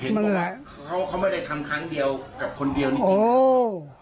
เห็นความว่าเขาบันเงียกไปกับคนเดียวนี่จริง